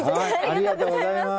ありがとうございます。